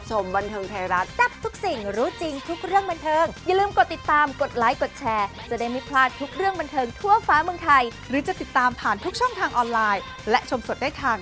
จริงแล้วสุขภาพถือว่าเป็นสิ่งสำคัญอันดับหนึ่ง